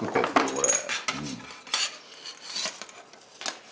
これ。